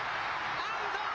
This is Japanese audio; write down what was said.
アウト！